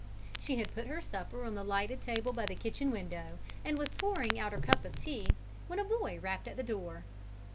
She had put her supper on the lighted table by the kitchen window and was pouring out her cup of tea, when a boy rapped at the door.